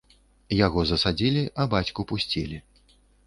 Яго засадзілі, а бацьку пусцілі.